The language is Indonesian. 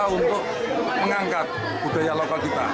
untuk mengangkat budaya lokal kita